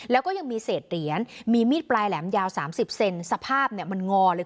แล้วก็ยังมีเศษเหรียญมีมีดปลายแหลมยาว๓๐เซนสภาพเนี่ยมันงอเลย